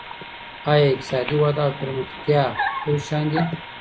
ایا اقتصادي وده او پرمختیا یو شان دي؟